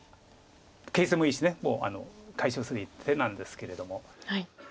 形勢もいいしもう解消する一手なんですけれども。